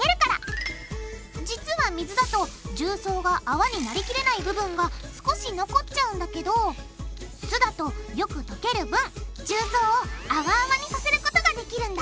実は水だと重曹があわになりきれない部分が少し残っちゃうんだけど酢だとよく溶ける分重曹をあわあわにさせることができるんだ！